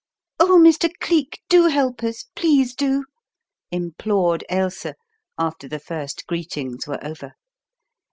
"Oh, Mr. Cleek, do help us please do," implored Ailsa, after the first greetings were over.